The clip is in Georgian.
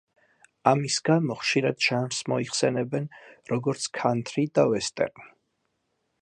ამის გამო ხშირად ჟანრს მოიხსენიებენ როგორც „ქანთრი და ვესტერნი“.